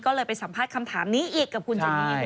ก็เลยไปสัมภาษณ์คำถามนี้อีกกับคุณเจนี่